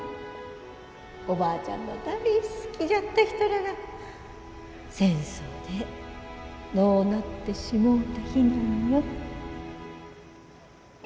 おばあちゃんが大好きじゃった人らが戦争で亡うなってしもうた日なんよ。